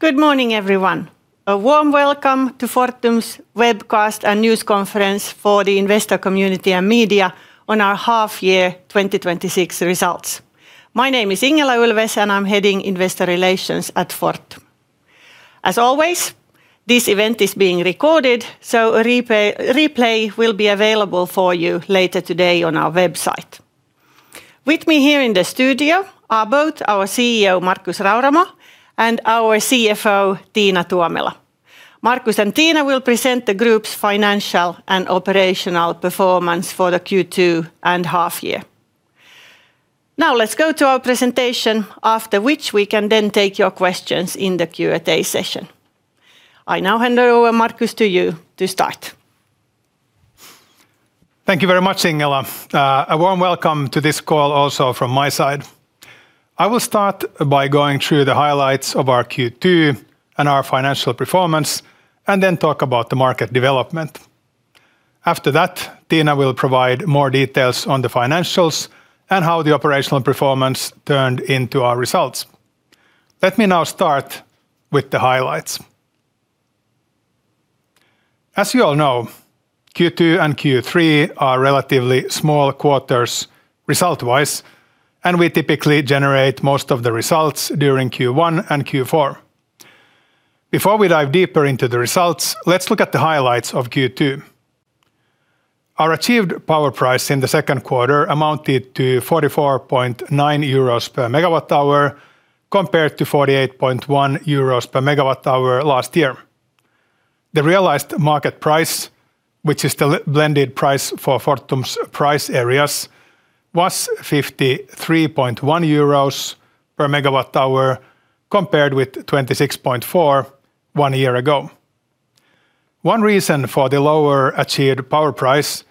Good morning, everyone. A warm welcome to Fortum's webcast and news conference for the investor community and media on our half year 2026 results. My name is Ingela Ulfves, and I'm Head of Investor Relations at Fortum. As always, this event is being recorded, so a replay will be available for you later today on our website. With me here in the studio are both our CEO, Markus Rauramo, and our CFO, Tiina Tuomela. Markus and Tiina will present the group's financial and operational performance for the Q2 and half year. Let's go to our presentation, after which we can then take your questions in the Q&A session. I now hand over, Markus, to you to start. Thank you very much, Ingela. A warm welcome to this call also from my side. I will start by going through the highlights of our Q2 and our financial performance, and then talk about the market development. After that, Tiina will provide more details on the financials and how the operational performance turned into our results. Let me now start with the highlights. As you all know, Q2 and Q3 are relatively small quarters result-wise, and we typically generate most of the results during Q1 and Q4. Before we dive deeper into the results, let's look at the highlights of Q2. Our achieved power price in the second quarter amounted to 44.9 euros per MWh, compared to 48.1 euros per MWh last year. The realized market price, which is the blended price for Fortum's price areas, was 53.1 euros per MWh compared with 26.4 per MWh one year ago. One reason for the lower achieved power price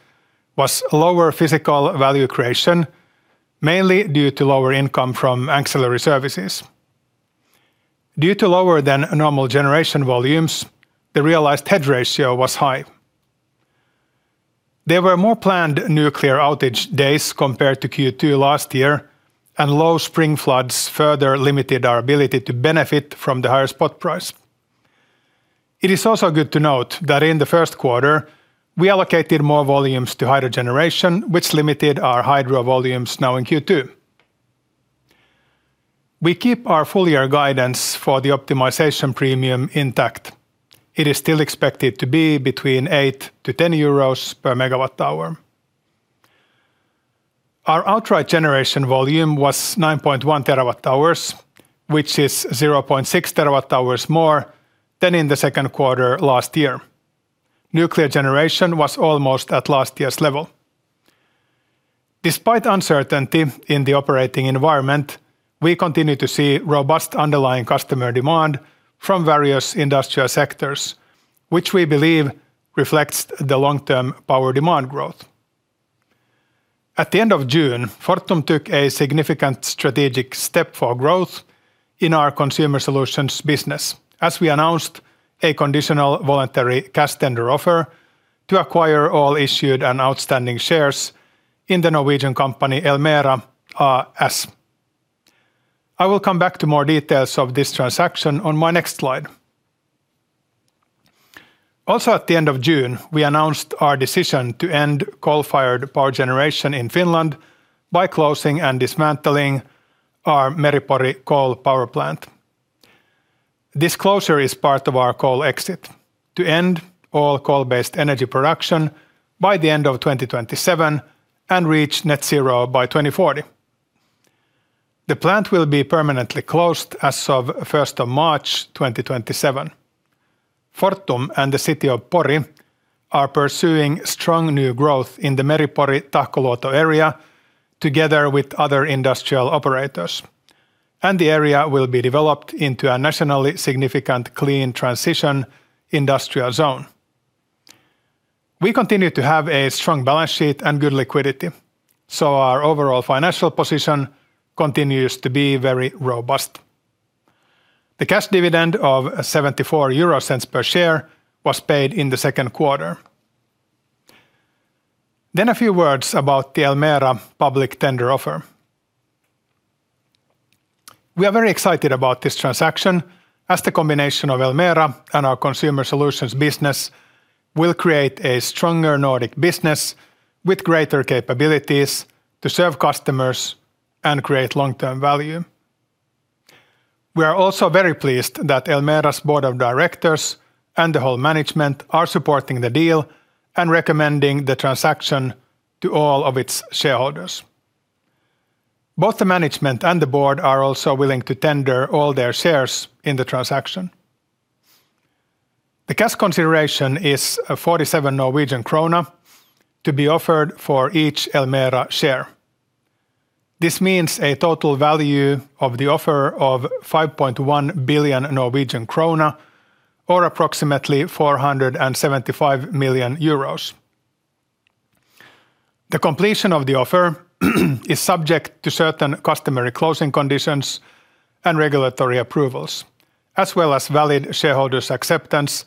was lower physical value creation, mainly due to lower income from ancillary services. Due to lower than normal generation volumes, the realized hedge ratio was high. There were more planned nuclear outage days compared to Q2 last year, and low spring floods further limited our ability to benefit from the higher spot price. It is also good to note that in the first quarter, we allocated more volumes to hydro generation, which limited our hydro volumes now in Q2. We keep our full-year guidance for the optimization premium intact. It is still expected to be between 8-10 euros per MWh. Our outright generation volume was 9.1 TWh, which is 0.6 TWh more than in the second quarter last year. Nuclear generation was almost at last year's level. Despite uncertainty in the operating environment, we continue to see robust underlying customer demand from various industrial sectors, which we believe reflects the long-term power demand growth. At the end of June, Fortum took a significant strategic step for growth in our Consumer Solutions business as we announced a conditional voluntary cash tender offer to acquire all issued and outstanding shares in the Norwegian company Elmera ASA. I will come back to more details of this transaction on my next slide. Also, at the end of June, we announced our decision to end coal-fired power generation in Finland by closing and dismantling our Meri-Pori coal power plant. This closure is part of our coal exit to end all coal-based energy production by the end of 2027 and reach net zero by 2040. The plant will be permanently closed as of 1st of March 2027. Fortum and the city of Pori are pursuing strong new growth in the Meri-Pori Tahkoluoto area together with other industrial operators. The area will be developed into a nationally significant clean transition industrial zone. We continue to have a strong balance sheet and good liquidity, so our overall financial position continues to be very robust. The cash dividend of 0.74 per share was paid in the second quarter. A few words about the Elmera public tender offer. We are very excited about this transaction as the combination of Elmera and our Consumer Solutions business will create a stronger Nordic business with greater capabilities to serve customers and create long-term value. We are also very pleased that Elmera's board of directors and the whole management are supporting the deal and recommending the transaction to all of its shareholders. Both the management and the board are also willing to tender all their shares in the transaction. The cash consideration is 47 Norwegian krone to be offered for each Elmera share. This means a total value of the offer of 5.1 billion Norwegian krone or approximately 475 million euros. The completion of the offer is subject to certain customary closing conditions and regulatory approvals, as well as valid shareholders' acceptance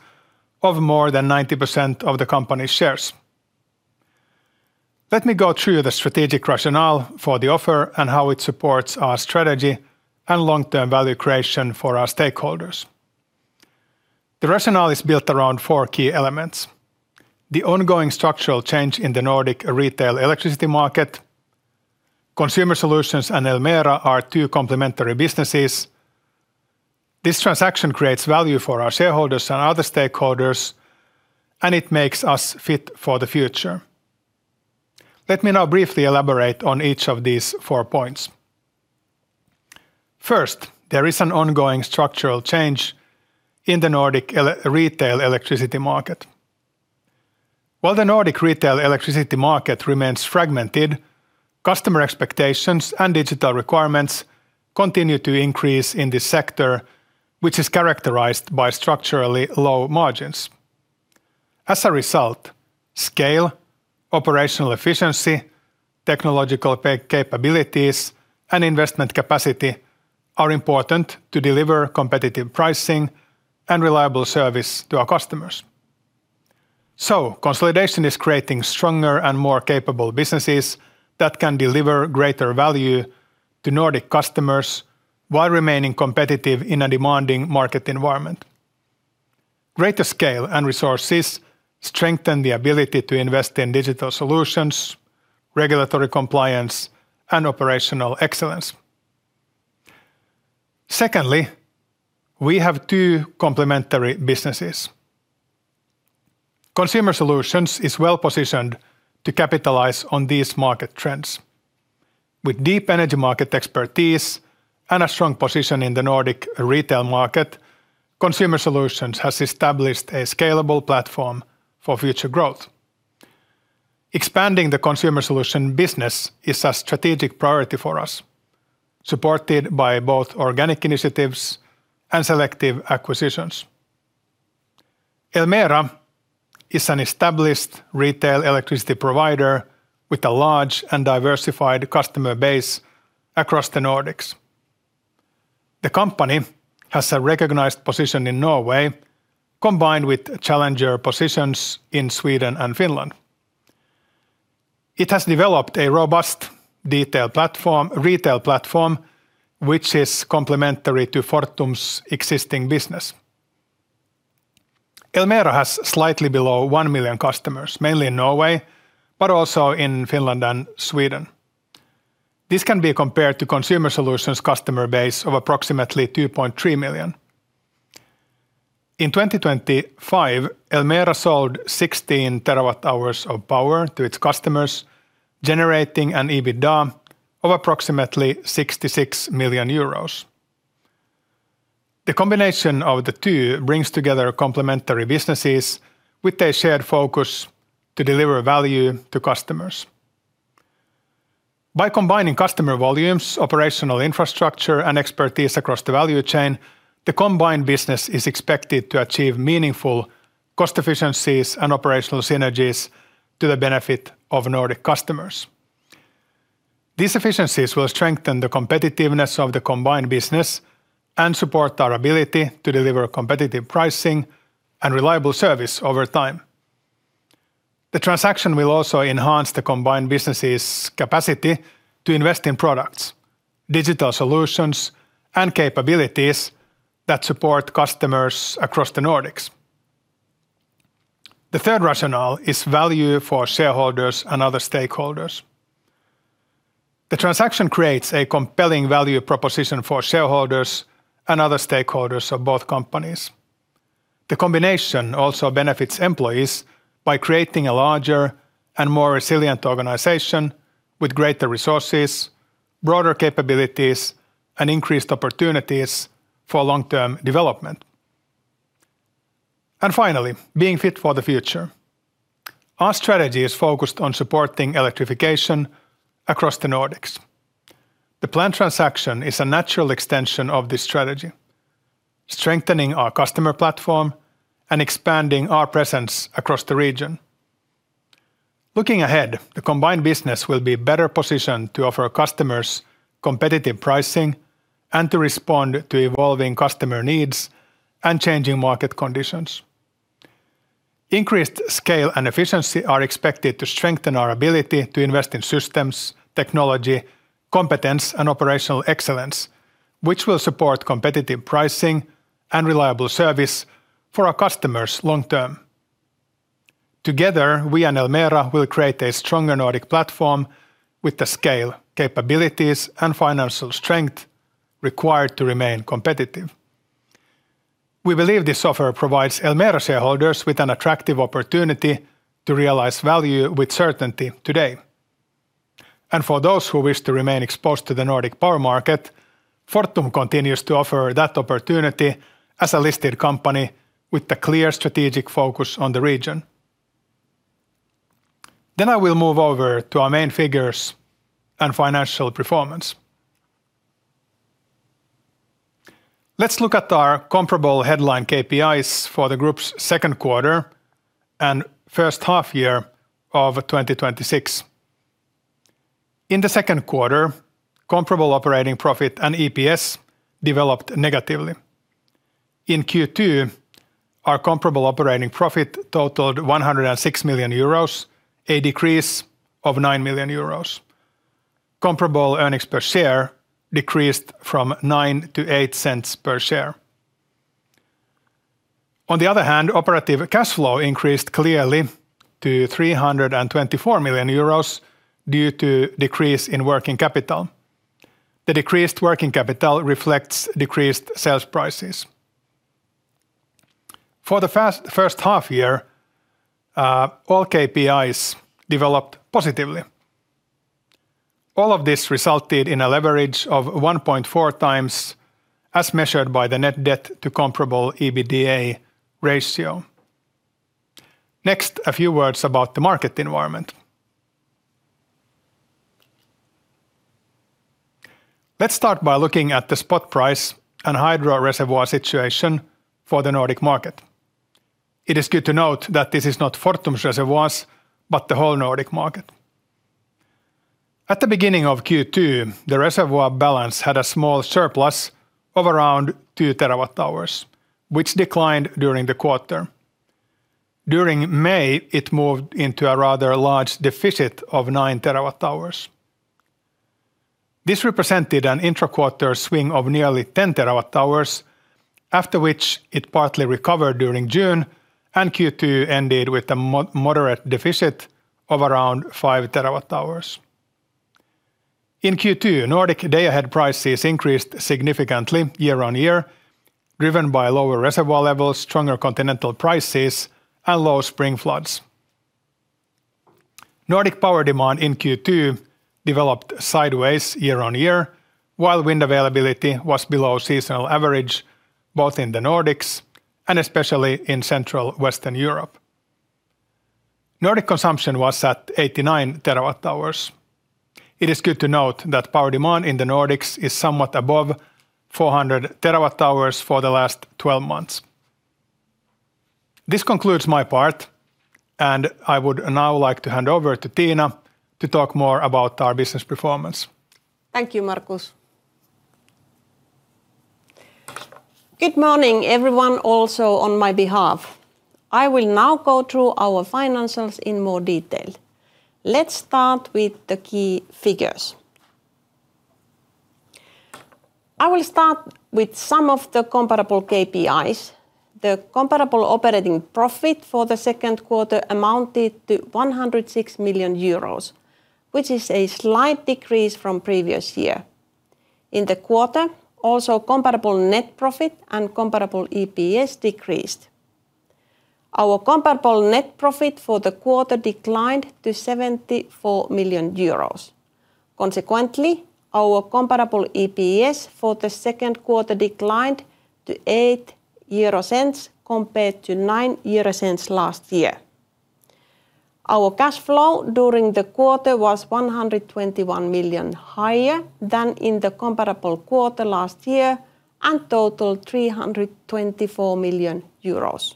of more than 90% of the company's shares. Let me go through the strategic rationale for the offer and how it supports our strategy and long-term value creation for our stakeholders. The rationale is built around four key elements. The ongoing structural change in the Nordic retail electricity market. Consumer Solutions and Elmera are two complementary businesses. This transaction creates value for our shareholders and other stakeholders, and it makes us fit for the future. Let me now briefly elaborate on each of these four points. First, there is an ongoing structural change in the Nordic retail electricity market. While the Nordic retail electricity market remains fragmented, customer expectations and digital requirements continue to increase in this sector, which is characterized by structurally low margins. As a result, scale, operational efficiency, technological capabilities, and investment capacity are important to deliver competitive pricing and reliable service to our customers. Consolidation is creating stronger and more capable businesses that can deliver greater value to Nordic customers while remaining competitive in a demanding market environment. Greater scale and resources strengthen the ability to invest in digital solutions, regulatory compliance, and operational excellence. Secondly, we have two complementary businesses. Consumer Solutions is well-positioned to capitalize on these market trends. With deep energy market expertise and a strong position in the Nordic retail market, Consumer Solutions has established a scalable platform for future growth. Expanding the Consumer Solutions business is a strategic priority for us, supported by both organic initiatives and selective acquisitions. Elmera is an established retail electricity provider with a large and diversified customer base across the Nordics. The company has a recognized position in Norway, combined with challenger positions in Sweden and Finland. It has developed a robust retail platform, which is complementary to Fortum's existing business. Elmera has slightly below 1 million customers, mainly in Norway, but also in Finland and Sweden. This can be compared to Consumer Solutions' customer base of approximately 2.3 million. In 2025, Elmera sold 16 TWh of power to its customers, generating an EBITDA of approximately 66 million euros. The combination of the two brings together complementary businesses with a shared focus to deliver value to customers. By combining customer volumes, operational infrastructure, and expertise across the value chain, the combined business is expected to achieve meaningful cost efficiencies and operational synergies to the benefit of Nordic customers. These efficiencies will strengthen the competitiveness of the combined business and support our ability to deliver competitive pricing and reliable service over time. The transaction will also enhance the combined businesses' capacity to invest in products, digital solutions, and capabilities that support customers across the Nordics. The third rationale is value for shareholders and other stakeholders. The transaction creates a compelling value proposition for shareholders and other stakeholders of both companies. The combination also benefits employees by creating a larger and more resilient organization with greater resources, broader capabilities, and increased opportunities for long-term development. Finally, being fit for the future. Our strategy is focused on supporting electrification across the Nordics. The planned transaction is a natural extension of this strategy, strengthening our customer platform and expanding our presence across the region. Looking ahead, the combined business will be better positioned to offer customers competitive pricing and to respond to evolving customer needs and changing market conditions. Increased scale and efficiency are expected to strengthen our ability to invest in systems, technology, competence, and operational excellence, which will support competitive pricing and reliable service for our customers long term. Together, we and Elmera will create a stronger Nordic platform with the scale, capabilities, and financial strength required to remain competitive. We believe this offer provides Elmera shareholders with an attractive opportunity to realize value with certainty today. For those who wish to remain exposed to the Nordic power market, Fortum continues to offer that opportunity as a listed company with a clear strategic focus on the region. I will move over to our main figures and financial performance. Let's look at our comparable headline KPIs for the group's second quarter and first half year of 2026. In the second quarter, comparable operating profit and EPS developed negatively. In Q2, our comparable operating profit totaled 106 million euros, a decrease of 9 million euros. Comparable earnings per share decreased from 0.09 to 0.08 per share. On the other hand, operative cash flow increased clearly to 324 million euros due to decrease in working capital. The decreased working capital reflects decreased sales prices. For the first half year, all KPIs developed positively. All of this resulted in a leverage of 1.4x, as measured by the net debt to comparable EBITDA ratio. Next, a few words about the market environment. Let's start by looking at the spot price and hydro reservoir situation for the Nordic market. It is good to note that this is not Fortum's reservoirs, but the whole Nordic market. At the beginning of Q2, the reservoir balance had a small surplus of around 2 TWh, which declined during the quarter. During May, it moved into a rather large deficit of 9 TWh. This represented an intra-quarter swing of nearly 10 TWh, after which it partly recovered during June, and Q2 ended with a moderate deficit of around 5 TWh. In Q2, Nordic day-ahead prices increased significantly year-on-year, driven by lower reservoir levels, stronger continental prices, and low spring floods. Nordic power demand in Q2 developed sideways year-on-year, while wind availability was below seasonal average, both in the Nordics and especially in central Western Europe. Nordic consumption was at 89 TWh. It is good to note that power demand in the Nordics is somewhat above 400 TWh for the last 12 months. This concludes my part. I would now like to hand over to Tiina to talk more about our business performance. Thank you, Markus. Good morning, everyone, also on my behalf. I will now go through our financials in more detail. Let's start with the key figures. I will start with some of the comparable KPIs. The comparable operating profit for the second quarter amounted to 106 million euros, which is a slight decrease from previous year. In the quarter, also comparable net profit and comparable EPS decreased. Our comparable net profit for the quarter declined to 74 million euros. Consequently, our comparable EPS for the second quarter declined to 0.08 compared to 0.09 last year. Our cash flow during the quarter was 121 million higher than in the comparable quarter last year and totaled 324 million euros.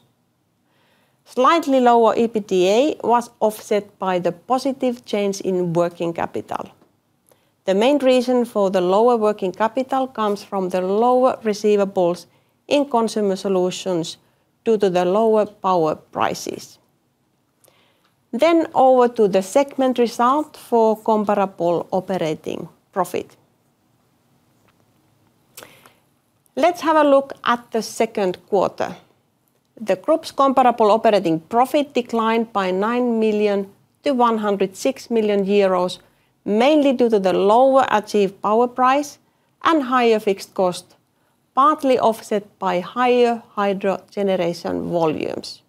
Slightly lower EBITDA was offset by the positive change in working capital. The main reason for the lower working capital comes from the lower receivables in Consumer Solutions due to the lower power prices. Over to the segment result for comparable operating profit. Let's have a look at the second quarter. The group's comparable operating profit declined by 9 million to 106 million euros, mainly due to the lower achieved power price and higher fixed cost, partly offset by higher hydro generation volumes.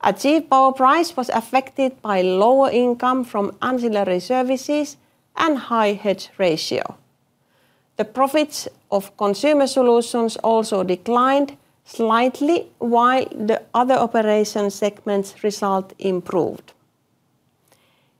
Achieved power price was affected by lower income from ancillary services and high hedge ratio. The profits of Consumer Solutions also declined slightly, while the other operation segments result improved.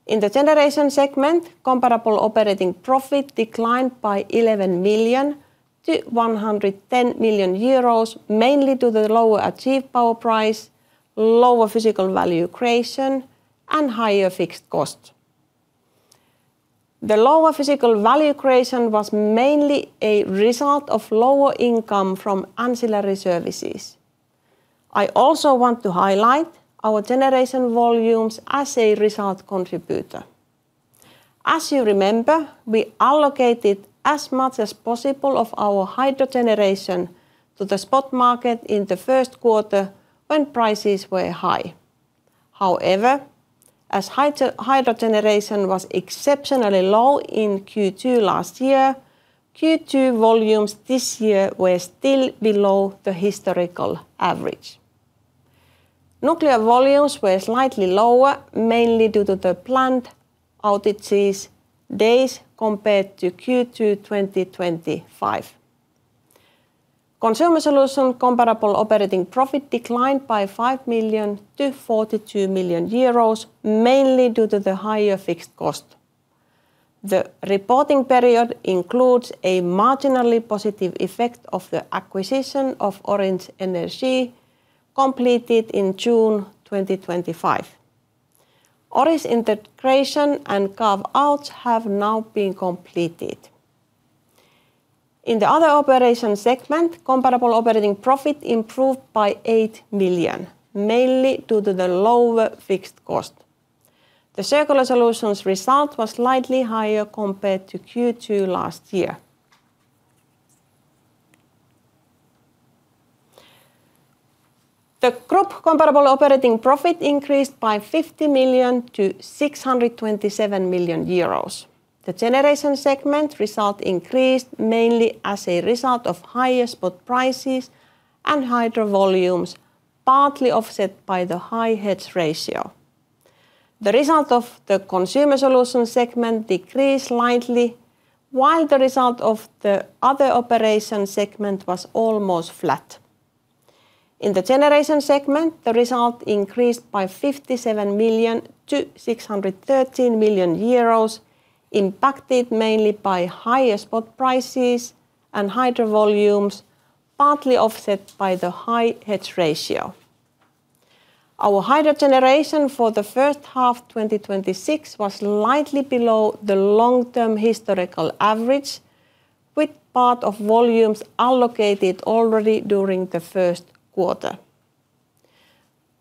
In the generation segment, comparable operating profit declined by 11 million to 110 million euros, mainly due to the lower achieved power price, lower physical value creation, and higher fixed cost. The lower physical value creation was mainly a result of lower income from ancillary services. I also want to highlight our generation volumes as a result contributor. As you remember, we allocated as much as possible of our hydro generation to the spot market in the first quarter when prices were high. However, as hydro generation was exceptionally low in Q2 last year, Q2 volumes this year were still below the historical average. Nuclear volumes were slightly lower, mainly due to the plant outage days compared to Q2 2025. Consumer Solutions comparable operating profit declined by 5 million to 42 million euros, mainly due to the higher fixed cost. The reporting period includes a marginally positive effect of the acquisition of Orange Energia completed in June 2025. Orange's integration and carve-outs have now been completed. In the other operation segment, comparable operating profit improved by 8 million, mainly due to the lower fixed cost. The Circular Solutions result was slightly higher compared to Q2 last year. The group comparable operating profit increased by 50 million to 627 million euros. The generation segment result increased mainly as a result of higher spot prices and hydro volumes, partly offset by the high hedge ratio. The result of the Consumer Solutions segment decreased slightly, while the result of the other operation segment was almost flat. In the generation segment, the result increased by 57 million to 613 million euros, impacted mainly by higher spot prices and hydro volumes, partly offset by the high hedge ratio. Our hydro generation for the first half 2026 was slightly below the long-term historical average, with part of volumes allocated already during the first quarter.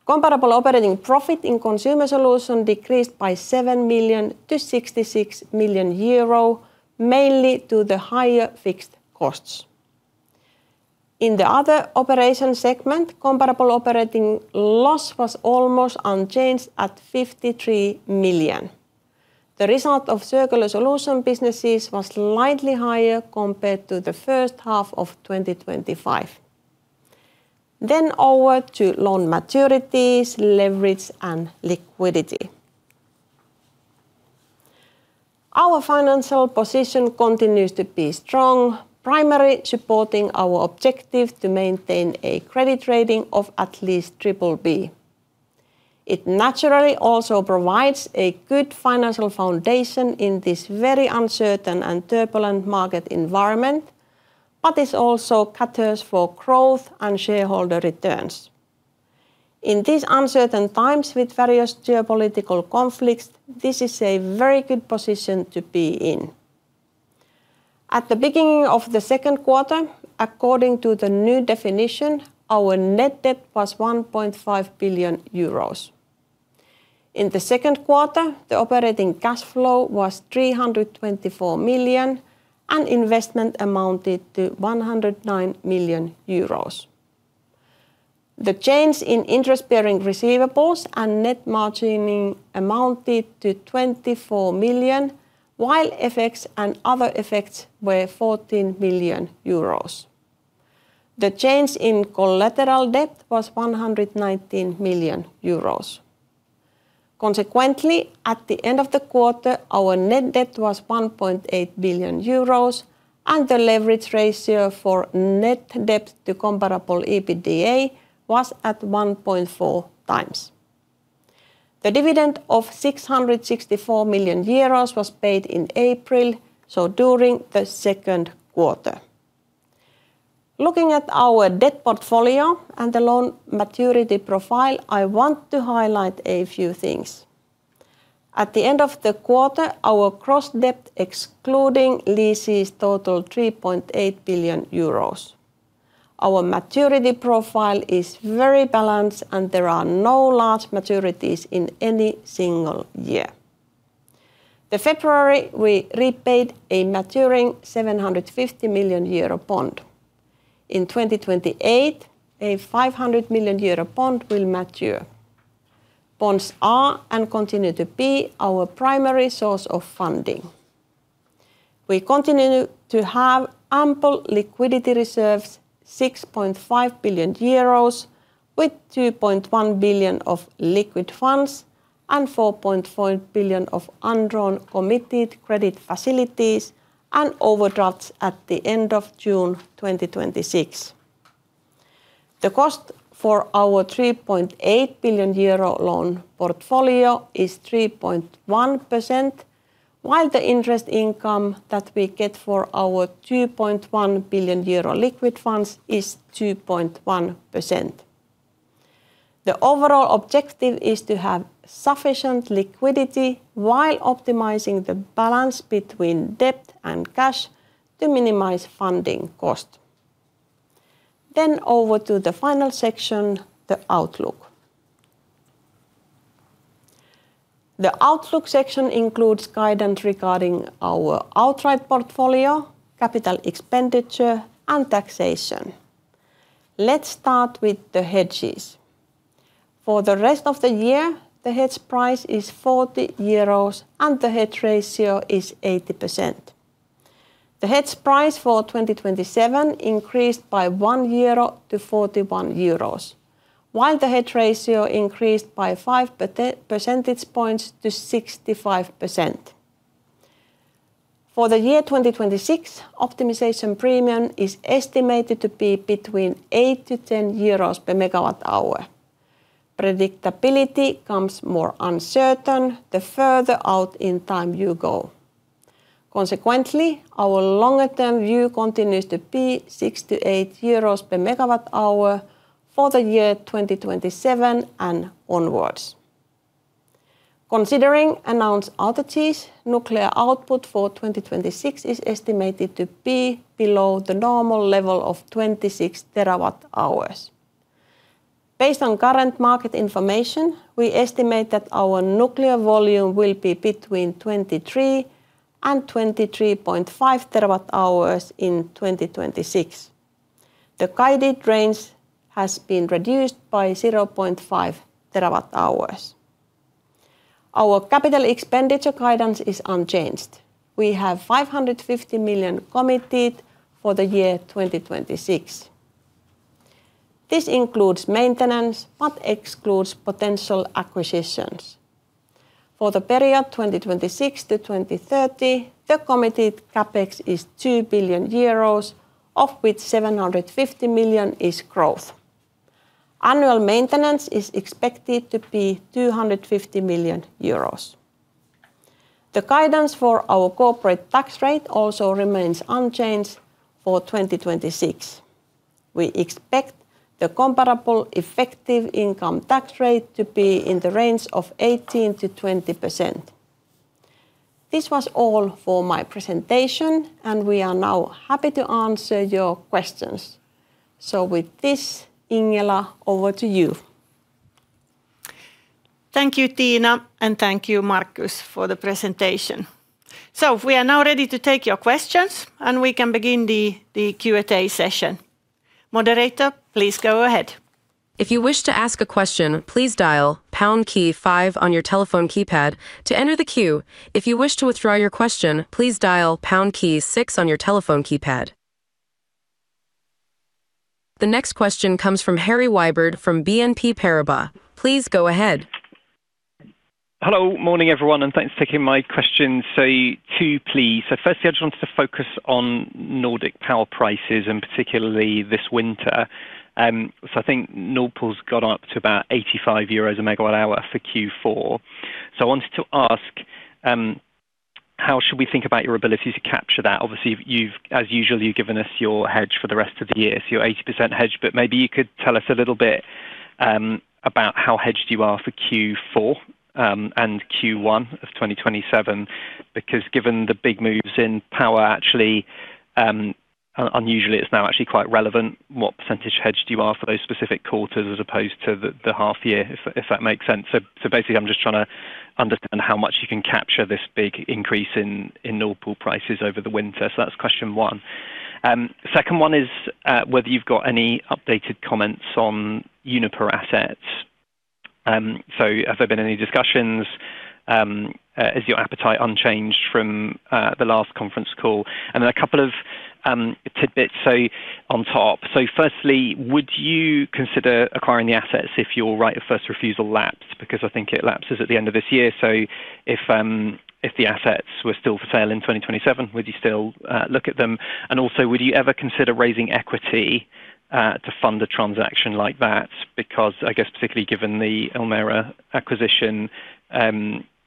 Comparable operating profit in Consumer Solutions decreased by 7 million to 66 million euro, mainly due to the higher fixed costs. In the other operation segment, comparable operating loss was almost unchanged at 53 million. The result of Circular Solutions businesses was slightly higher compared to the first half of 2025. Over to loan maturities, leverage, and liquidity. Our financial position continues to be strong, primarily supporting our objective to maintain a credit rating of at least BBB. It naturally also provides a good financial foundation in this very uncertain and turbulent market environment, but this also caters for growth and shareholder returns. In these uncertain times with various geopolitical conflicts, this is a very good position to be in. At the beginning of the second quarter, according to the new definition, our net debt was 1.5 billion euros. In the second quarter, the operating cash flow was 324 million and investment amounted to 109 million euros. The change in interest-bearing receivables and net margining amounted to 24 million, while FX and other effects were 14 million euros. The change in collateral debt was 119 million euros. Consequently, at the end of the quarter, our net debt was 1.8 billion euros and the leverage ratio for net debt to comparable EBITDA was at 1.4x. The dividend of 664 million euros was paid in April, so during the second quarter. Looking at our debt portfolio and the loan maturity profile, I want to highlight a few things. At the end of the quarter, our gross debt excluding leases totaled 3.8 billion euros. Our maturity profile is very balanced, and there are no large maturities in any single year. In February we repaid a maturing 750 million euro bond. In 2028, a 500 million euro bond will mature. Bonds are and continue to be our primary source of funding. We continue to have ample liquidity reserves, 6.5 billion euros, with 2.1 billion of liquid funds and 4.4 billion of undrawn committed credit facilities and overdrafts at the end of June 2026. The cost for our 3.8 billion euro loan portfolio is 3.1%, while the interest income that we get for our 2.1 billion euro liquid funds is 2.1%. The overall objective is to have sufficient liquidity while optimizing the balance between debt and cash to minimize funding cost. Over to the final section, the outlook. The outlook section includes guidance regarding our outright portfolio, capital expenditure and taxation. Let's start with the hedges. For the rest of the year, the hedge price is 40 euros and the hedge ratio is 80%. The hedge price for 2027 increased by 1 euro to 41 euros, while the hedge ratio increased by 5 percentage points to 65%. For the year 2026, optimization premium is estimated to be between 8-10 euros per MWh. Predictability comes more uncertain the further out in time you go. Consequently, our longer-term view continues to be 6-8 euros per MWh for the year 2027 and onwards. Considering announced outages, nuclear output for 2026 is estimated to be below the normal level of 26 TWh. Based on current market information, we estimate that our nuclear volume will be between 23 TWh and 23.5 TWh in 2026. The guided range has been reduced by 0.5 TWh. Our capital expenditures guidance is unchanged. We have 550 million committed for the year 2026. This includes maintenance, but excludes potential acquisitions. For the period 2026-2030, the committed CapEx is 2 billion euros, of which 750 million is growth. Annual maintenance is expected to be 250 million euros. The guidance for our corporate tax rate also remains unchanged for 2026. We expect the comparable effective income tax rate to be in the range of 18%-20%. This was all for my presentation, and we are now happy to answer your questions. With this, Ingela, over to you. Thank you, Tiina, and thank you, Markus, for the presentation. We are now ready to take your questions, and we can begin the Q&A session. Moderator, please go ahead. If you wish to ask a question, please dial pound key five on your telephone keypad to enter the queue. If you wish to withdraw your question, please dial pound key six on your telephone keypad. The next question comes from Harry Wyburd from BNP Paribas. Please go ahead. Hello. Morning, everyone, and thanks for taking my question. Two, please. Firstly, I just wanted to focus on Nordic power prices and particularly this winter. I think Nord Pool's gone up to about 85 euros a MWh for Q4. I wanted to ask, how should we think about your ability to capture that? Obviously, as usual, you've given us your hedge for the rest of the year, your 80% hedge. Maybe you could tell us a little bit about how hedged you are for Q4 and Q1 of 2027. Given the big moves in power actually, unusually it's now actually quite relevant what percentage hedged you are for those specific quarters as opposed to the half year. If that makes sense. Basically, I'm just trying to understand how much you can capture this big increase in Nord Pool prices over the winter. That's question one. Second one is whether you've got any updated comments on Uniper assets. Have there been any discussions? Is your appetite unchanged from the last conference call? A couple of tidbits on top. Firstly, would you consider acquiring the assets if your right of first refusal lapsed? I think it lapses at the end of this year. If the assets were still for sale in 2027, would you still look at them? Also, would you ever consider raising equity to fund a transaction like that? I guess particularly given the Elmera acquisition,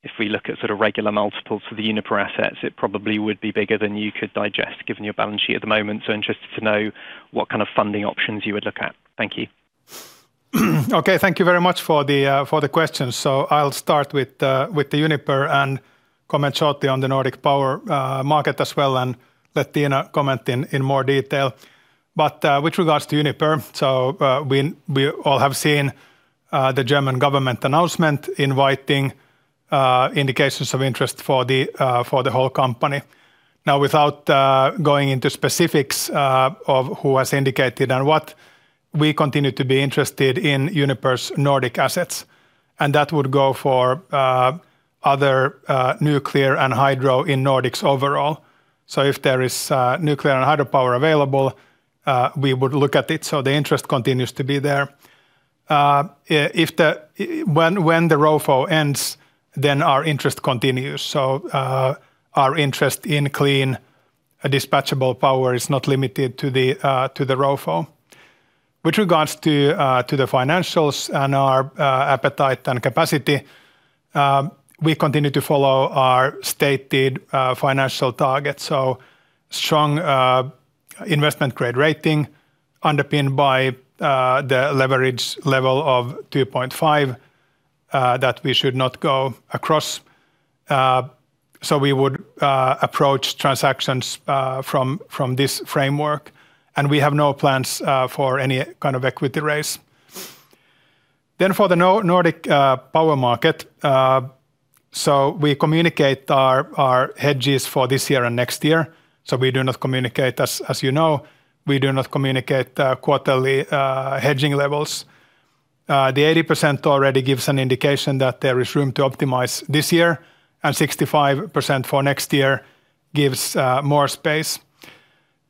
if we look at sort of regular multiples for the Uniper assets, it probably would be bigger than you could digest given your balance sheet at the moment. Interested to know what kind of funding options you would look at. Thank you. Okay, thank you very much for the questions. I'll start with Uniper and comment shortly on the Nordic Power market as well and let Tiina comment in more detail. With regards to Uniper, we all have seen the German government announcement inviting indications of interest for the whole company. Now without going into specifics of who has indicated and what, we continue to be interested in Uniper's Nordic assets, and that would go for other nuclear and hydro in Nordics overall. If there is nuclear and hydropower available, we would look at it. The interest continues to be there. When the ROFO ends, our interest continues. Our interest in clean, dispatchable power is not limited to the ROFO. With regards to the financials and our appetite and capacity, we continue to follow our stated financial targets. Strong investment grade rating underpinned by the leverage level of 2.5 that we should not go across. We would approach transactions from this framework and we have no plans for any kind of equity raise. For the Nordic Power market, we communicate our hedges for this year and next year. We do not communicate, as you know, we do not communicate quarterly hedging levels. The 80% already gives an indication that there is room to optimize this year and 65% for next year gives more space.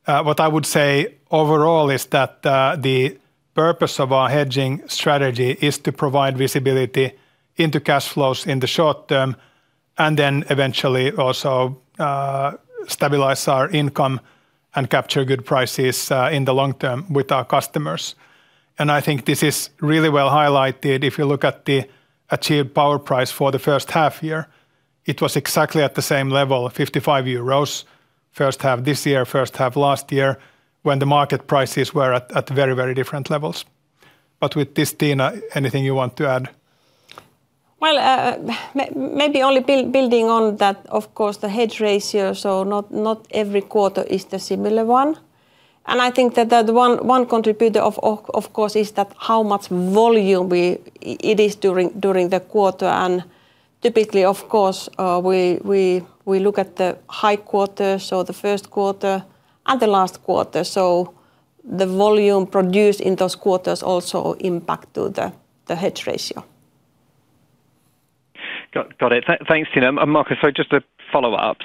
What I would say overall is that the purpose of our hedging strategy is to provide visibility into cash flows in the short term eventually also stabilize our income and capture good prices in the long term with our customers. I think this is really well highlighted if you look at the achieved power price for the first half year. It was exactly at the same level, 55 euros, first half this year, first half last year, when the market prices were at very different levels. With this, Tiina, anything you want to add? Well, maybe only building on that, of course, the hedge ratio, not every quarter is the similar one. I think that one contributor, of course, is that how much volume it is during the quarter. Typically, of course, we look at the high quarters, the first quarter and the last quarter. The volume produced in those quarters also impact to the hedge ratio. Got it. Thanks, Tiina. Markus, just a follow-up.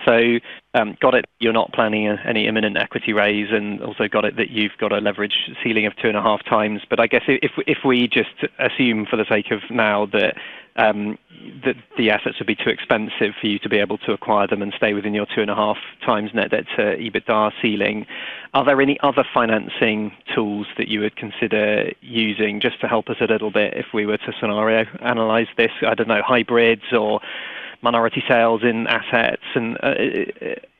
Got it, you're not planning any imminent equity raise, and also got it that you've got a leverage ceiling of two and a half times. I guess if we just assume for the sake of now that the assets would be too expensive for you to be able to acquire them and stay within your two and a half times net debt to EBITDA ceiling, are there any other financing tools that you would consider using just to help us a little bit if we were to scenario analyze this? I don't know, hybrids or minority sales in assets?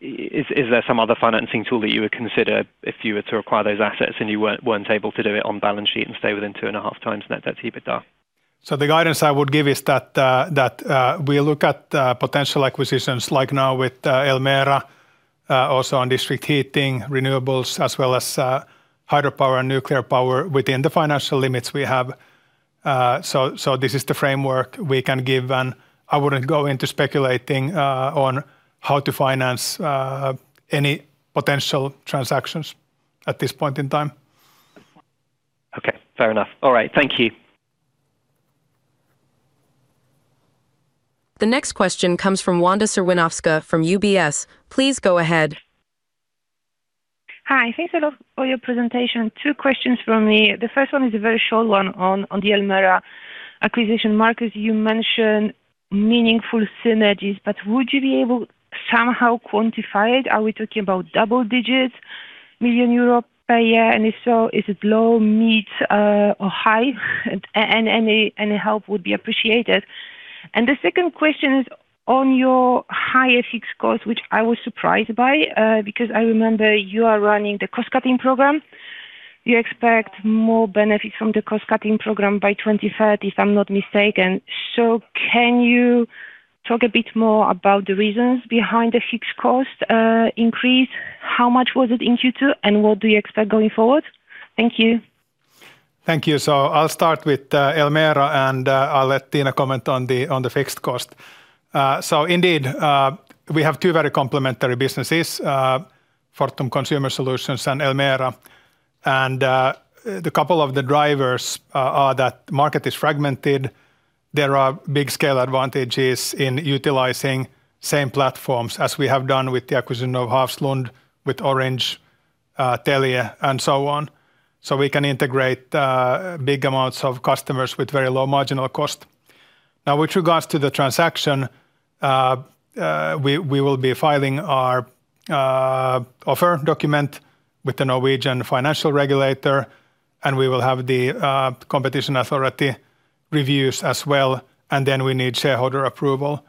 Is there some other financing tool that you would consider if you were to acquire those assets and you weren't able to do it on balance sheet and stay within 2.5x net debt to EBITDA? The guidance I would give is that we'll look at potential acquisitions like now with Elmera also on district heating, renewables, as well as hydropower and nuclear power within the financial limits we have. This is the framework we can give and I wouldn't go into speculating on how to finance any potential transactions at this point in time. Okay. Fair enough. All right. Thank you. The next question comes from Wanda Serwinowska from UBS. Please go ahead. Hi. Thanks a lot for your presentation. Two questions from me. The first one is a very short one on the Elmera acquisition. Markus, you mentioned meaningful synergies, but would you be able to somehow quantify it? Are we talking about double digits, million EUR per year? If so, is it low, mid, or high? Any help would be appreciated. The second question is on your higher fixed cost, which I was surprised by because I remember you are running the cost-cutting program. You expect more benefit from the cost-cutting program by 2030, if I'm not mistaken. Can you talk a bit more about the reasons behind the fixed cost increase? How much was it in Q2, and what do you expect going forward? Thank you. Thank you. I'll start with Elmera, and I'll let Tiina comment on the fixed cost. Indeed, we have two very complementary businesses, Fortum Consumer Solutions and Elmera. The couple of the drivers are that market is fragmented. There are big-scale advantages in utilizing same platforms as we have done with the acquisition of Hafslund, with Orange, Telia, and so on. We can integrate big amounts of customers with very low marginal cost. With regards to the transaction, we will be filing our offer document with the Norwegian financial regulator, and we will have the competition authority reviews as well, and then we need shareholder approval.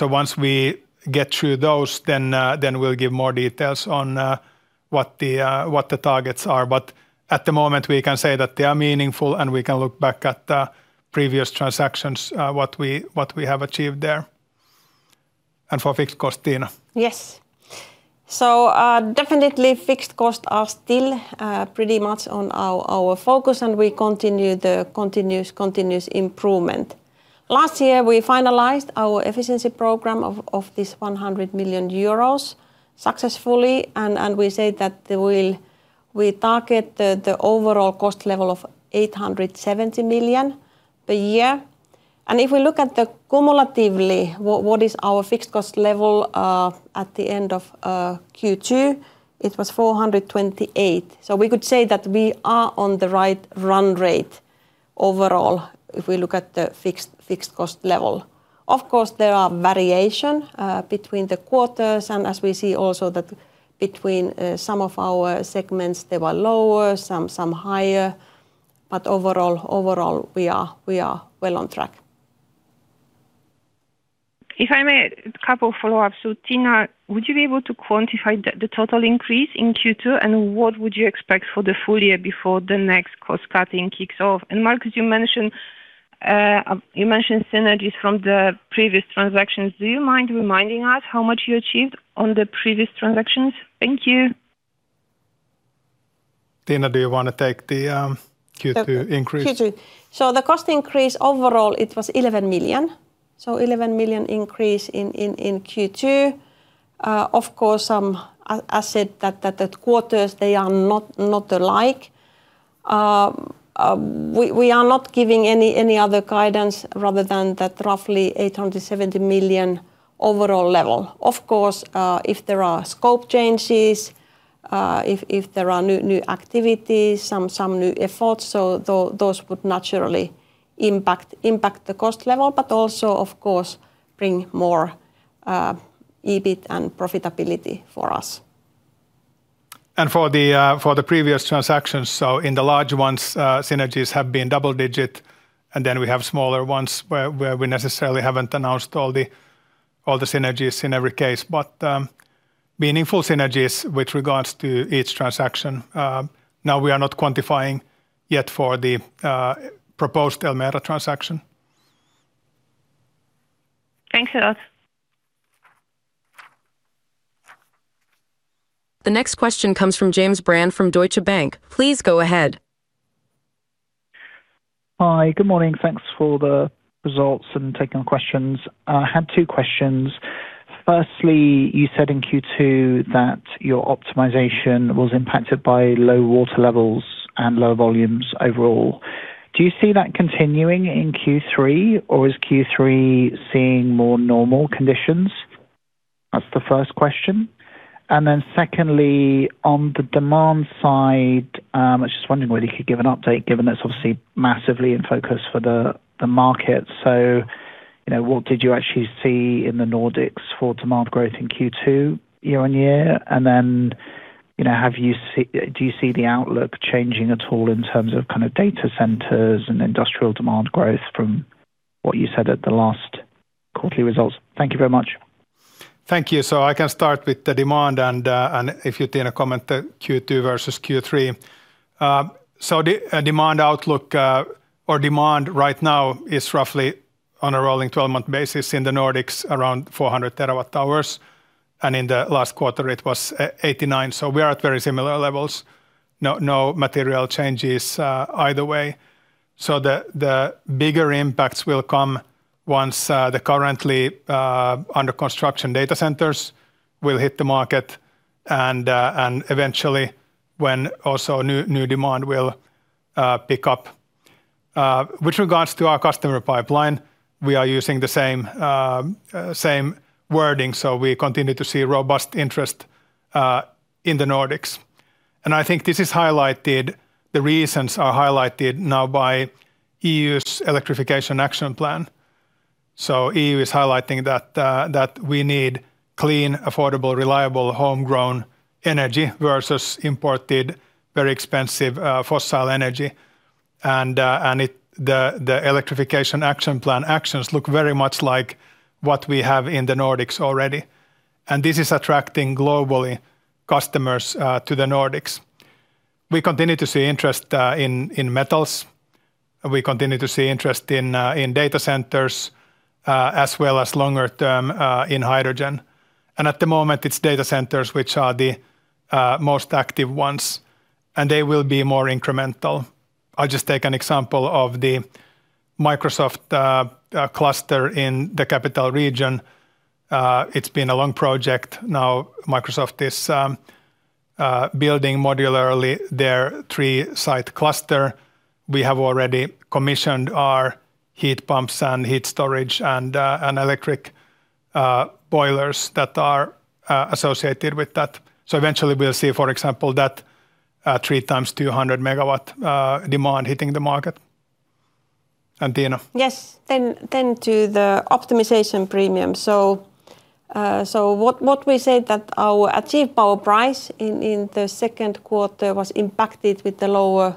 Once we get through those, then we'll give more details on what the targets are. At the moment, we can say that they are meaningful, and we can look back at previous transactions what we have achieved there. For fixed cost, Tiina. Yes. Definitely fixed cost are still pretty much on our focus, and we continue the continuous improvement. Last year, we finalized our efficiency program of this 100 million euros successfully, and we say that we target the overall cost level of 870 million per year. If we look at the cumulatively, what is our fixed cost level at the end of Q2, it was 428. We could say that we are on the right run rate overall if we look at the fixed cost level. Of course, there are variation between the quarters, and as we see also that between some of our segments, they were lower, some higher. Overall we are well on track. If I may, a couple follow-ups. Tiina, would you be able to quantify the total increase in Q2, and what would you expect for the full year before the next cost cutting kicks off? Markus, you mentioned synergies from the previous transactions. Do you mind reminding us how much you achieved on the previous transactions? Thank you. Tiina, do you want to take the Q2 increase? Q2. The cost increase overall, it was 11 million. 11 million increase in Q2. Of course, some as such, quarters, they are not alike. We are not giving any other guidance rather than that roughly 870 million overall level. Of course, if there are scope changes If there are new activities, some new efforts, those would naturally impact the cost level, but also, of course, bring more EBIT and profitability for us. For the previous transactions. In the large ones, synergies have been double digit, and then we have smaller ones where we necessarily haven't announced all the synergies in every case. Meaningful synergies with regards to each transaction. We are not quantifying yet for the proposed Elmera transaction. Thanks a lot. The next question comes from James Brand from Deutsche Bank. Please go ahead. Hi. Good morning. Thanks for the results and taking our questions. I had two questions. Firstly, you said in Q2 that your optimization was impacted by low water levels and low volumes overall. Do you see that continuing in Q3, or is Q3 seeing more normal conditions? That's the first question. Secondly, on the demand side, I was just wondering whether you could give an update, given it's obviously massively in focus for the market. What did you actually see in the Nordics for demand growth in Q2 year-on-year? Do you see the outlook changing at all in terms of data centers and industrial demand growth from what you said at the last quarterly results? Thank you very much. Thank you. I can start with the demand and if you, Tiina, comment the Q2 versus Q3. The demand outlook or demand right now is roughly on a rolling 12-month basis in the Nordics, around 400 TWh, and in the last quarter it was 89 TWh. We are at very similar levels. No material changes either way. The bigger impacts will come once the currently under-construction data centers will hit the market and eventually when also new demand will pick up. With regards to our customer pipeline, we are using the same wording, so we continue to see robust interest in the Nordics. I think the reasons are highlighted now by EU's Electrification Action Plan. EU is highlighting that we need clean, affordable, reliable, homegrown energy versus imported, very expensive fossil energy. The Electrification Action Plan actions look very much like what we have in the Nordics already. This is attracting globally customers to the Nordics. We continue to see interest in metals. We continue to see interest in data centers, as well as longer term in hydrogen. At the moment, it's data centers which are the most active ones, and they will be more incremental. I'll just take an example of the Microsoft cluster in the capital region. It's been a long project. Now Microsoft is building modularly their three-site cluster. We have already commissioned our heat pumps and heat storage and electric boilers that are associated with that. Eventually we'll see, for example, that three times 200 MW demand hitting the market. Tiina. Yes. To the optimization premium. What we said that our achieved power price in the second quarter was impacted with the lower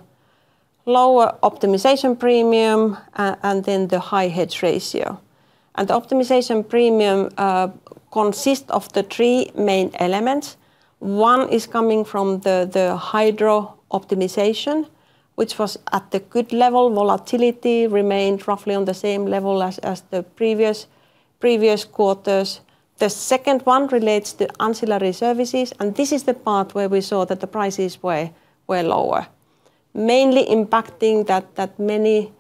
optimization premium and the high hedge ratio. Optimization premium consists of the three main elements. One is coming from the hydro optimization, which was at the good level. Volatility remained roughly on the same level as the previous quarters. The second one relates to ancillary services, and this is the part where we saw that the prices were lower, mainly impacting that many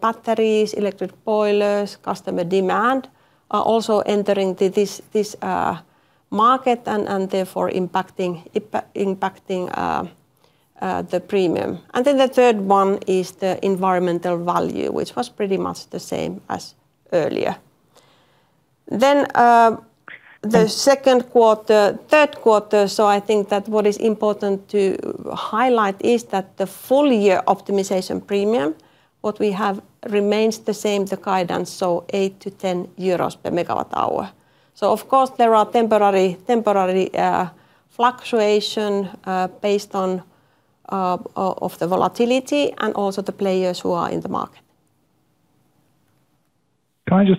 batteries, electric boilers, customer demand are also entering this market and therefore impacting the premium. The third one is the environmental value, which was pretty much the same as earlier. I think that what is important to highlight is that the full year optimization premium, what we have remains the same as the guidance, 8 to 10 euros per MWh. Of course there are temporary fluctuation based on the volatility and also the players who are in the market. Thank you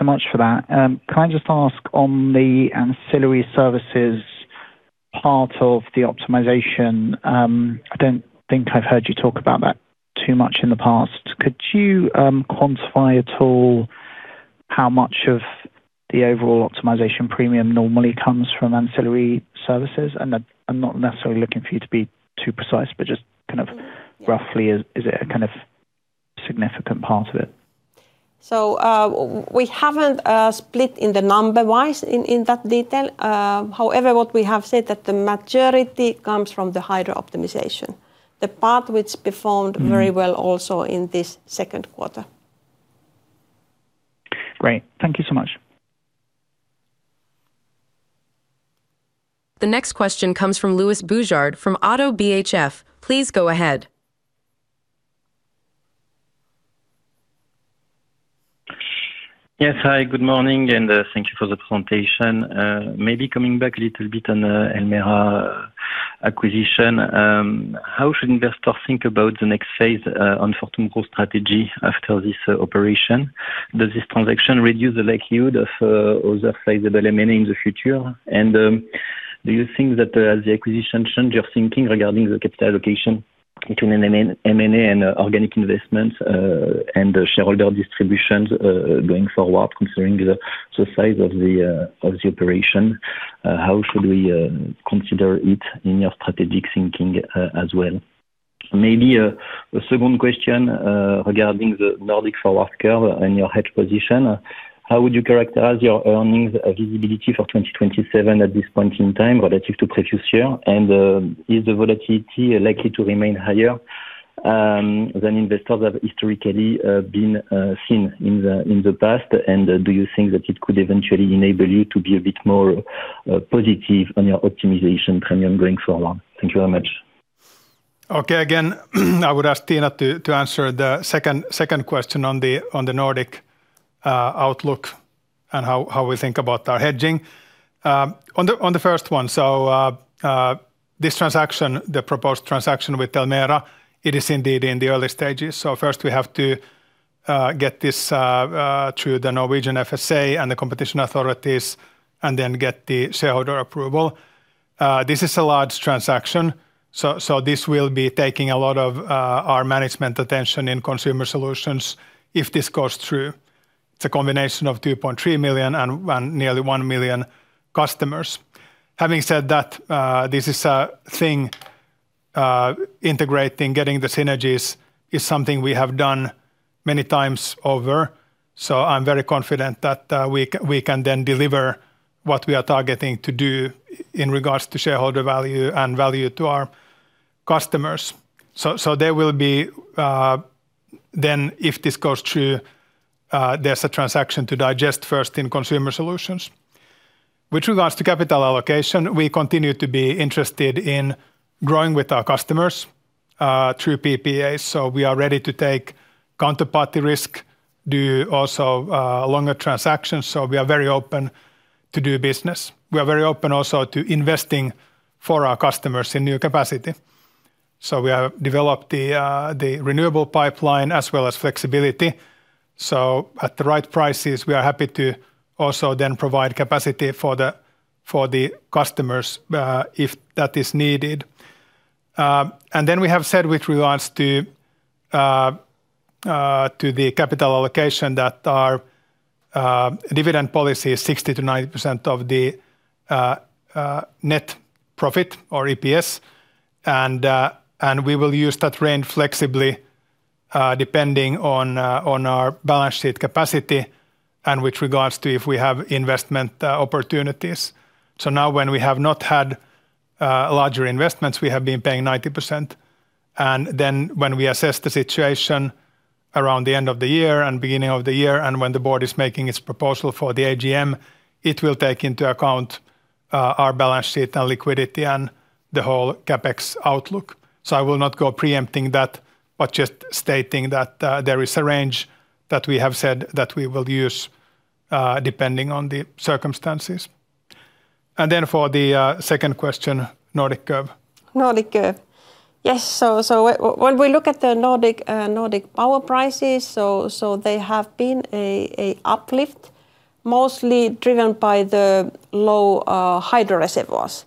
so much for that. Can I just ask on the ancillary services part of the optimization, I don't think I've heard you talk about that too much in the past. Could you quantify at all how much of the overall optimization premium normally comes from ancillary services? I'm not necessarily looking for you to be too precise, but just roughly, is it a kind of significant part of it? We haven't split in the number wise in that detail. However, what we have said that the majority comes from the hydro optimization, the part which performed very well also in this second quarter. Great. Thank you so much. The next question comes from Louis Boujard from ODDO BHF. Please go ahead. Yes. Hi, good morning, thank you for the presentation. Maybe coming back a little bit on the Elmera acquisition. How should investors think about the next phase on Fortum core strategy after this operation? Does this transaction reduce the likelihood of other sizable M&A in the future? Do you think that as the acquisition change your thinking regarding the capital allocation between M&A and organic investments, and the shareholder distributions, going forward, considering the size of the operation? How should we consider it in your strategic thinking as well? Maybe a second question, regarding the Nordic forward curve and your hedge position. How would you characterize your earnings visibility for 2027 at this point in time relative to previous year? Is the volatility likely to remain higher, than investors have historically been seen in the past? Do you think that it could eventually enable you to be a bit more positive on your optimization premium going forward? Thank you very much. Okay. Again, I would ask Tiina to answer the second question on the Nordic outlook and how we think about our hedging. On the first one, this transaction, the proposed transaction with Elmera, it is indeed in the early stages. First we have to get this through the Norwegian FSA and the competition authorities, and then get the shareholder approval. This is a large transaction, this will be taking a lot of our management attention in Consumer Solutions if this goes through. It's a combination of 2.3 million and nearly 1 million customers. Having said that, this is a thing, integrating, getting the synergies is something we have done many times over. I'm very confident that we can then deliver what we are targeting to do in regards to shareholder value and value to our customers. There will be, then if this goes through, there's a transaction to digest first in Consumer Solutions. With regards to capital allocation, we continue to be interested in growing with our customers through PPAs. We are ready to take counterparty risk, do also longer transactions. We are very open to do business. We are very open also to investing for our customers in new capacity. We have developed the renewable pipeline as well as flexibility. At the right prices, we are happy to also then provide capacity for the customers, if that is needed. We have said with regards to the capital allocation that our dividend policy is 60%-90% of the net profit or EPS, and we will use that range flexibly, depending on our balance sheet capacity and with regards to if we have investment opportunities. Now when we have not had larger investments, we have been paying 90%. When we assess the situation around the end of the year and beginning of the year, and when the board is making its proposal for the AGM, it will take into account our balance sheet and liquidity and the whole CapEx outlook. I will not go preempting that, but just stating that there is a range that we have said that we will use, depending on the circumstances. For the second question, Nordic curve. Nordic curve. Yes. When we look at the Nordic power prices, they have been an uplift mostly driven by the low hydro reservoirs.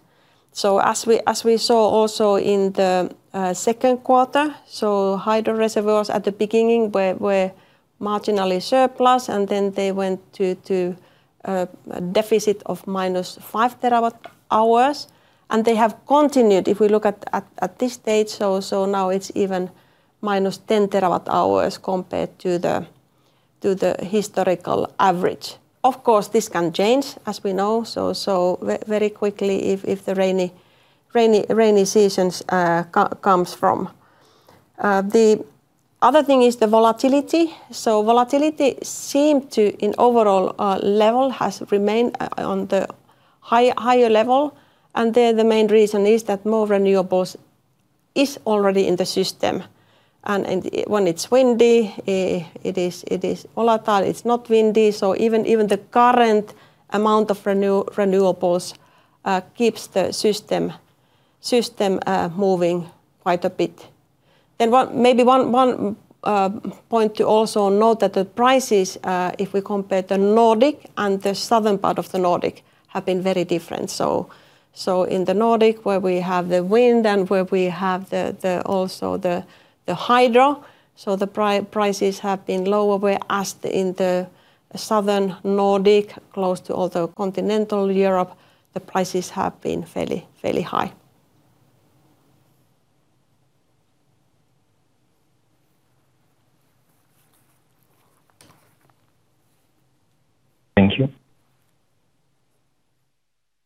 As we saw also in the second quarter. Hydro reservoirs at the beginning were marginally surplus and then they went to a deficit of -5 TWh and they have continued. If we look at this stage, now it's even -10 TWh compared to the historical average. Of course this can change as we know, very quickly if the rainy seasons comes from. The other thing is the volatility. Volatility seems to in overall level has remained on the higher level and there the main reason is that more renewables is already in the system. When it's windy, it is volatile, it's not windy. Even the current amount of renewables keeps the system moving quite a bit. Maybe one point to also note that the prices, if we compare the Nordic and the southern part of the Nordic have been very different. In the Nordic where we have the wind and where we have also the hydro, the prices have been lower, whereas in the southern Nordic close to all the continental Europe, the prices have been fairly high.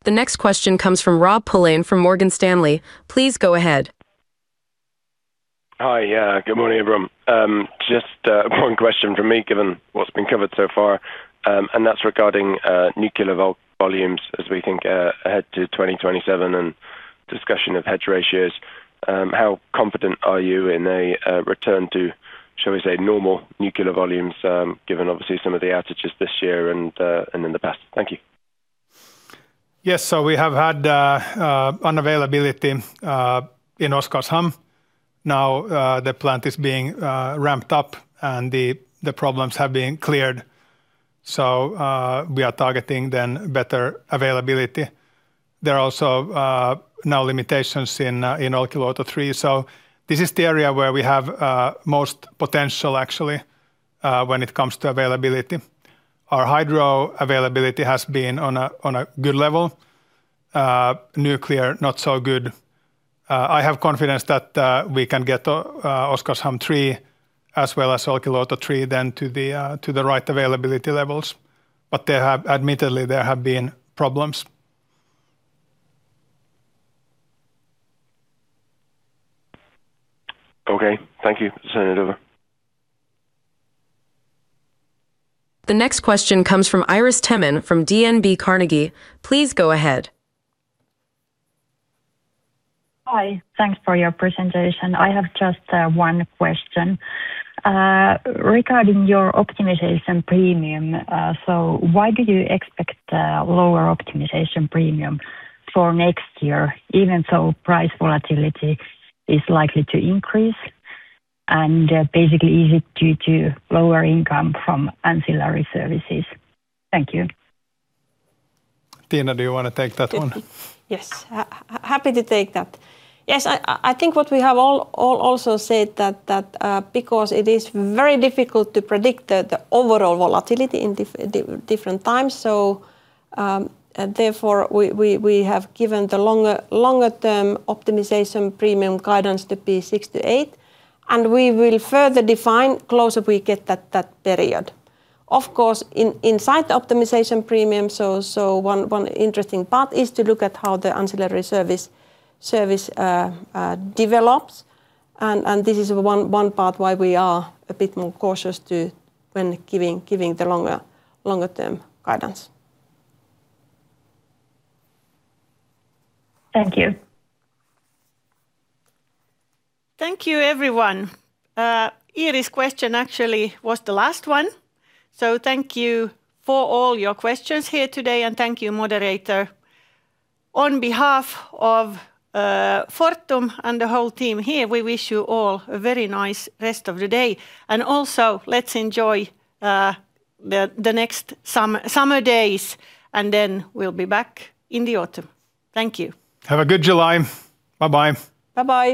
Thank you. The next question comes from Rob Pulleyn from Morgan Stanley. Please go ahead. Hi. Yeah, good morning, everyone. Just one question from me, given what's been covered so far, and that's regarding nuclear volumes as we think ahead to 2027 and discussion of hedge ratios. How confident are you in a return to, shall we say, normal nuclear volumes given obviously some of the outages this year and in the past? Thank you. Yes. We have had unavailability in Oskarshamn. Now, the plant is being ramped up and the problems have been cleared. We are targeting then better availability. There are also now limitations in Olkiluoto 3. This is the area where we have most potential actually when it comes to availability. Our hydro availability has been on a good level. Nuclear, not so good. I have confidence that we can get Oskarshamn 3 as well as Olkiluoto 3 then to the right availability levels. Admittedly, there have been problems. Okay. Thank you. Sending it over. The next question comes from Iiris Theman from DNB Carnegie. Please go ahead. Hi. Thanks for your presentation. I have just one question. Regarding your optimization premium, why do you expect lower optimization premium for next year, even though price volatility is likely to increase and basically is it due to lower income from ancillary services? Thank you. Tiina, do you want to take that one? Yes. Happy to take that. I think what we have all also said that because it is very difficult to predict the overall volatility in different times, therefore we have given the longer term optimization premium guidance to be six to eight, and we will further define closer we get that period. Of course, inside the optimization premium, one interesting part is to look at how the ancillary service develops and this is one part why we are a bit more cautious too when giving the longer term guidance. Thank you. Thank you, everyone. Iiris' question actually was the last one. Thank you for all your questions here today, and thank you, moderator. On behalf of Fortum and the whole team here, we wish you all a very nice rest of the day, and also, let's enjoy the next summer days, and then we'll be back in the autumn. Thank you. Have a good July. Bye-bye. Bye-bye.